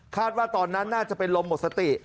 ว่าตอนนั้นน่าจะเป็นลมหมดสติ